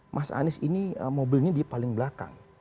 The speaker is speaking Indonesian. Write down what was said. mas anies ini mobilnya di paling belakang